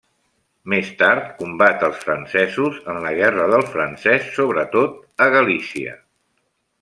Més tard, combat als francesos en la Guerra del francès sobretot en Galícia.